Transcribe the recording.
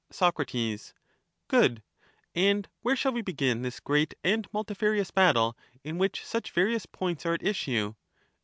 Soc, Good ; and where shall we begin this great and mul tifarious battle, in which such various points are at issue?